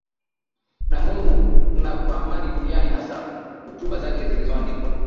na Mungu na kwa amani duniani Hasa hotuba zake zilizoandikwa na